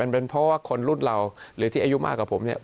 เป็นเพราะว่าคนรุ่นเราหรือที่อายุมากกว่าผมเนี่ย